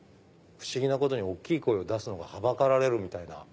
不思議なことに大きい声を出すのはばかられるみたいな。